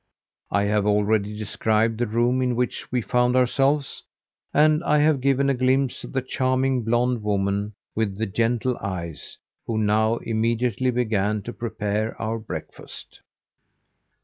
I have already described the room in which we found ourselves, and I have given a glimpse of the charming blonde woman with the gentle eyes who now immediately began to prepare our breakfast.